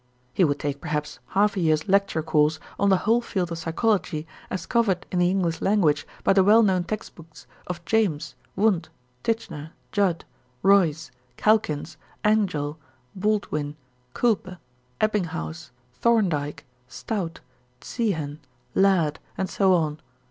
He would take perhaps half a year's lecture course on the whole field of psychology as covered in the English language by the well known text books of James, Wundt, Titchener, Judd, Royce, Calkins, Angell, Baldwin, Kuelpe, Ebbinghaus, Thorndike, Stout, Ziehen, Ladd, and so on.